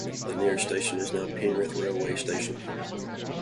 The nearest station is now Penrith railway station.